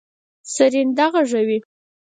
سرېنده غږوي.